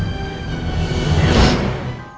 mbak fim mbak ngerasa